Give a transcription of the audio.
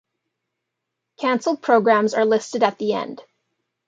Canceled programs are listed at the end.